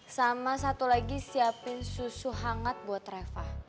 sama satu lagi siapin susu hangat buat reva